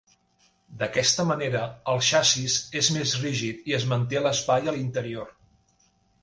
D'aquesta manera, el xassís és més rígid i es manté l'espai a l'interior.